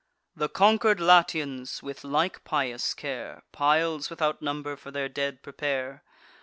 The conquer'd Latians, with like pious care, Piles without number for their dead prepare.